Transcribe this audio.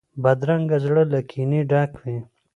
بدرنګه زړه له کینې ډک وي